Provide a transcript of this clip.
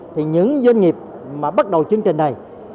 thì những doanh nghiệp mà bắt đầu chương trình này